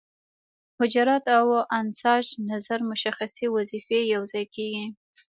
حجرات او انساج نظر مشخصې وظیفې یوځای کیږي.